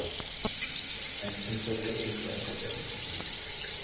I am completely ignorant of it.